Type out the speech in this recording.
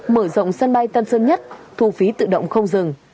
mở rộng sân bay tân sơn nhất thu phí tự động không dừng